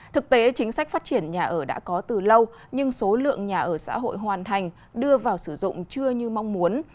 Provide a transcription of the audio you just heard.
thực tế chính sách phát triển nhà ở đã có từ lâu nhưng số lượng nhà ở xã hội hoàn thành đưa vào sử dụng chưa như mong muốn